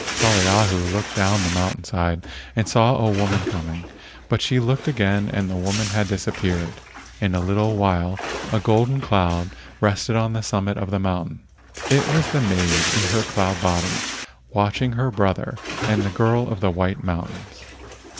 Poliahu looked down the mountain side and saw a woman coming, but she looked again and the woman had disappeared. In a little while a golden cloud rested on the summit of the mountain. It was the maid in her cloud body watching her brother and the girl of the white mountains.